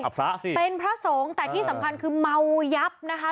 พระสิเป็นพระสงฆ์แต่ที่สำคัญคือเมายับนะคะ